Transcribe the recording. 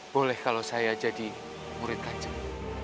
boleh kalau saya jadi murid kacang